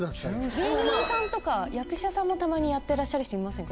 芸人さんとか役者さんもたまにやってらっしゃる人いませんか？